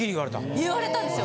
言われたんですよ。